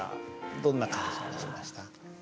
どんな感じがしました？